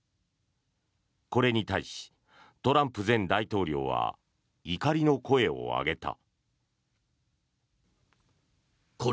これに対し、トランプ前大統領は怒りの声を上げた。